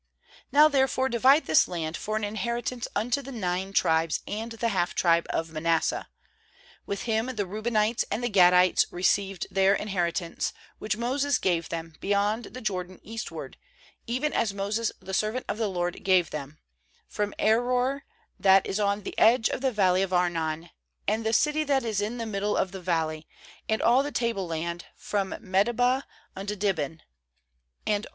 7Now therefore divide this land for an inheritance unto the nine tribes, and the half tribe of Manasseh.' 8With turn the Reubenites and the Gad ites received their inheritance, which Moses gave them, beyond the Jordan eastward, even as Moses the servant of the LORD gave them; ^rom Aroer, that is on the edge of the valley of Arnon, and the city that is in the middle of the valley, and all the table land from Medeba unto Dibon; 10and all 276 JOSHUA 14.